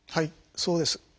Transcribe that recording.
そうです。